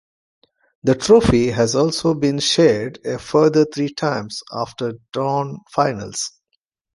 The trophy has also been shared a further three times after drawn finals.